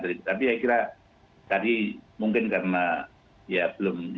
tapi saya kira tadi mungkin karena ya belum